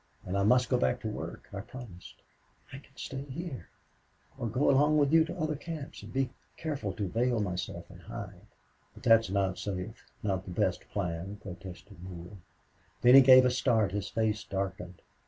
And I must go back to work. I promised." "I can stay here or go along with you to other camps, and be careful to veil myself and hide." "But that's not safe not the best plan," protested Neale. Then he gave a start; his face darkened.